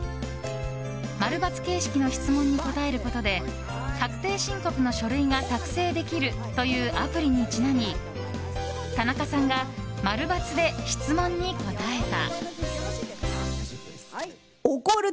○×形式の質問に答えることで確定申告の書類が作成できるというアプリにちなみ田中さんが○×で質問に答えた。